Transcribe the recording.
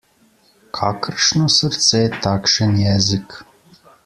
Kakršno srce, takšen jezik.